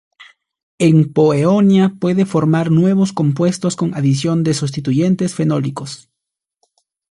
En "Paeonia", puede formar nuevos compuestos con adición de sustituyentes fenólicos.